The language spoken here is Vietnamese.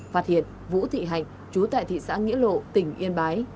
phát hiện vũ thị hạnh chú tại thị xã nghĩa lộ tỉnh yên bái